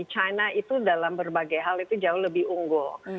china itu dalam berbagai hal itu jauh lebih unggul